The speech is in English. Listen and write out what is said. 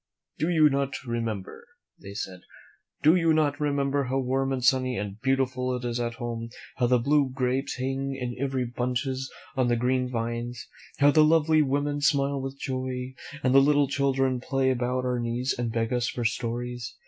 " Do you not remember," they said; "do you not remember how warm and sunny and beautiful it is at home; how the blue grapes hang in heavy bunches on the green vines; how the lovely women smile with joy, and the little children play about our knees and beg us for stories?